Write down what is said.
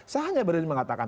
saya hanya berani mengatakan